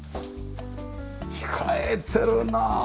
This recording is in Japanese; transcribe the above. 控えてるな！